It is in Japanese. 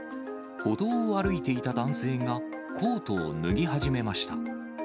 歩道を歩いていた男性がコートを脱ぎ始めました。